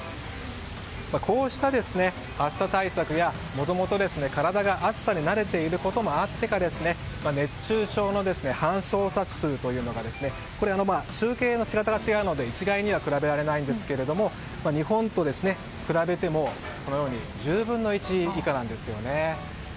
こうした暑さ対策やもともと体が暑さに慣れていることもあってか熱中症の搬送者数というのがこれは集計の仕方が違うので一概には比べられないんですが日本と比べても１０分の１以下なんですよね。